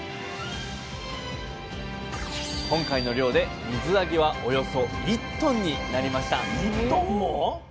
今回の漁で水揚げはおよそ１ｔになりました